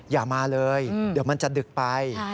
อย่ามาเลยเดี๋ยวมันจะดึกไป